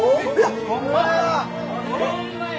ホンマや！